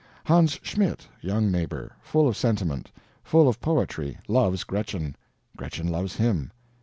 Hans Schmidt, young neighbor, full of sentiment, full of poetry, loves Gretchen, Gretchen loves him.